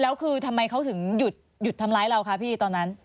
แล้วคือทำไมเขาถึงหยุดทำร้ายเราคะพี่ตอนนั้น